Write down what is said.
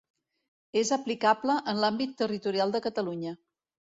És aplicable en l'àmbit territorial de Catalunya.